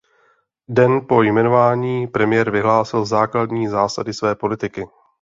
Den po jmenování premiér vyhlásil základní zásady své politiky.